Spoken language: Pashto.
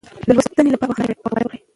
د لوستنې لپاره وخت ځانګړی کړئ او عادت وکړئ.